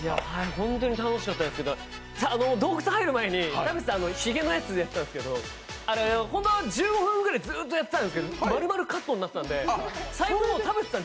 本当に楽しかったですけど、洞窟入る前に田渕さんひげのやつやってたんですけど１５分ぐらいずーっとやってたんですけど丸々カットになってたんで、最後の方田渕さん